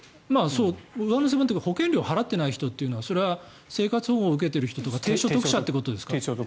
上乗せ分というか保険料を払っていない人っていうことはそれは生活保護を受けてるというか低所得者ということですか？